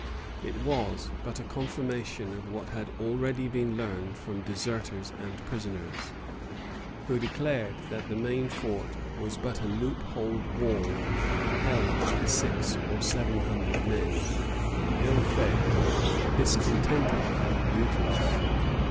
It was but a confirmation of what had already been learned from deserters and prisoners, who declared that the main fort was but a loopholed wall held by six or seven hundred men, ill fed, discontented, and mutinous.